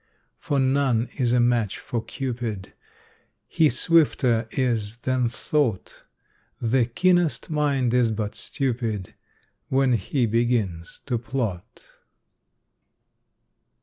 For none is a match for Cupid. He swifter is than thought. The keenest mind is but stupid When he begins to plot.